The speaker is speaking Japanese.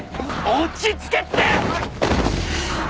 落ち着けって！！